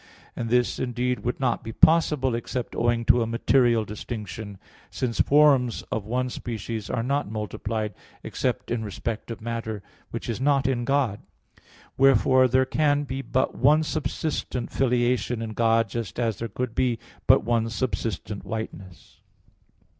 And this, indeed, would not be possible except owing to a material distinction: since forms of one species are not multiplied except in respect of matter, which is not in God. Wherefore there can be but one subsistent filiation in God: just as there could be but one subsistent whiteness.